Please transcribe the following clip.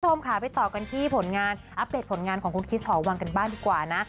คุณผู้ชมค่ะไปต่อกันที่ผลงานอัปเดตผลงานของคุณคิสหอวังกันบ้างดีกว่านะ